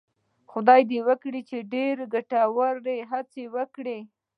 خدای دې وکړي چې ډېرې ګټورې هڅې وکړي.